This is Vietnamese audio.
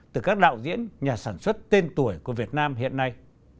từ các đạo diễn nhà sản xuất tên tuổi của việt nam hiện nay